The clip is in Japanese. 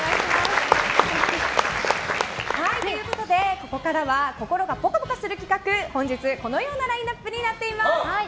ここからは心がぽかぽかする企画本日、このようなラインアップになっています。